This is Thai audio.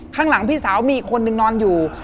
ข้างหลังพี่สาวมีอีกคนนึงนอนอยู่